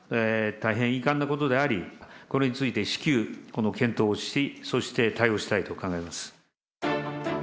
大変遺憾なことであり、これについて至急検討をし、そして対応したいと考えます。